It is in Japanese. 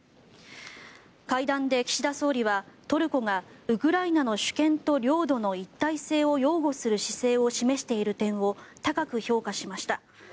会談で岸田総理は、トルコがウクライナの主権と領土の一体性を擁護する姿勢を示している点を高く評価しました。